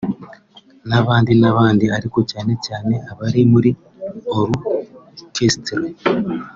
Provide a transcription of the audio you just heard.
n’abandi n’abandi ariko cyane cyane abari muri Orchestre